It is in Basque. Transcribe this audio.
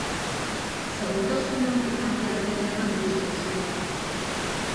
Segurtasun neurri handi artean eraman dituzte guztiak.